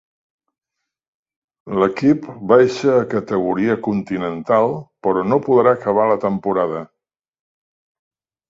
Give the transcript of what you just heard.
L'equip baixa a Categoria continental però no podrà acabar la temporada.